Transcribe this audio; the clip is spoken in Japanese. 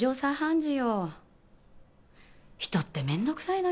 人ってめんどくさいのよ。